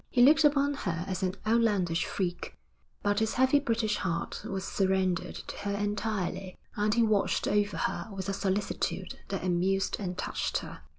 He looked upon her as an outlandish freak, but his heavy British heart was surrendered to her entirely, and he watched over her with a solicitude that amused and touched her.